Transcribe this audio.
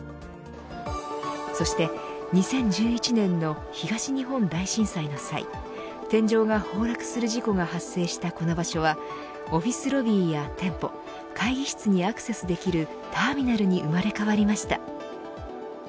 そして２０１１年の東日本大震災の際天井が崩落する事故が発生したこの場所はオフィスロビーや店舗会議室にアクセスできるターミナルに生まれ変わりました。